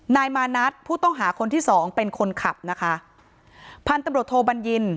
นายมานัดผู้ต้องหาคนที่สองเป็นคนขับนะคะพันธุ์ตำรวจโทบัญญิน